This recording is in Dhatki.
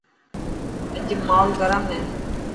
اڄ ماحول گرم هي.